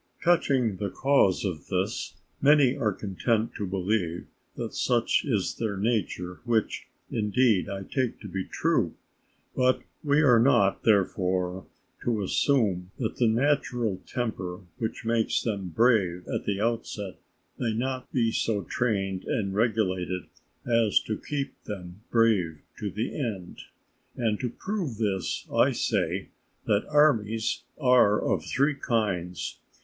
Touching the cause of this, many are content to believe that such is their nature, which, indeed, I take to be true; but we are not, therefore, to assume that the natural temper which makes them brave at the outset, may not be so trained and regulated as to keep them brave to the end. And, to prove this, I say, that armies are of three kinds.